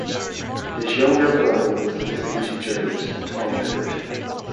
His younger brother was the late music journalist Tom Hibbert.